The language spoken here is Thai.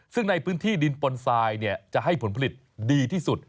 ซึ่งในพื้นที่ดินปนทรายจะให้ผลผลิตดีที่สุด